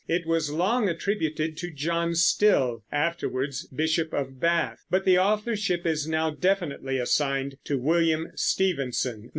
It was long attributed to John Still, afterwards bishop of Bath; but the authorship is now definitely assigned to William Stevenson.